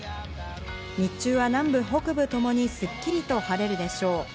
日中は南部北部ともに、すっきりと晴れるでしょう。